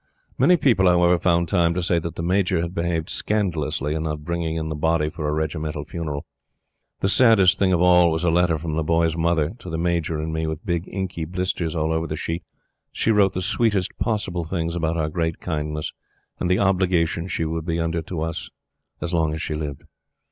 Many people, however, found time to say that the Major had behaved scandalously in not bringing in the body for a regimental funeral. The saddest thing of all was a letter from The Boy's mother to the Major and me with big inky blisters all over the sheet. She wrote the sweetest possible things about our great kindness, and the obligation she would be under to us as long as she lived.